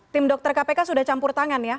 tim dokter kpk sudah campur tangan ya